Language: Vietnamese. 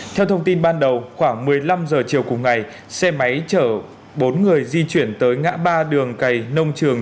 theo thông tin ban đầu khoảng một mươi năm h chiều cùng ngày xe máy chở bốn người di chuyển tới ngã ba đường cày nông trường